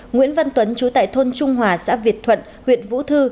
nguyễn văn tuấn chú tại thôn trung hòa xã việt thuận huyện vũ thư